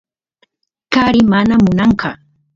kari mana munanqa